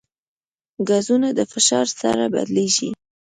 ګازونه د فشار سره بدلېږي.